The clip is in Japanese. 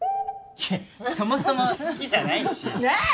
いやそもそも好きじゃないし。ねぇ。